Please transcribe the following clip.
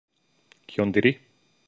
Kion diri?